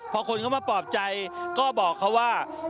พอคนเขามาปลอบใจก็บอกเขาว่า